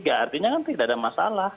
artinya kan tidak ada masalah